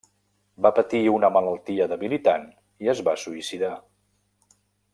Va patir una malaltia debilitant i es va suïcidar.